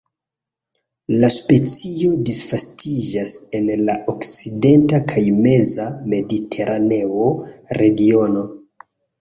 La specio disvastiĝas en la okcidenta kaj meza mediteraneo regiono.